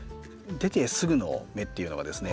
出てすぐの芽っていうのがですね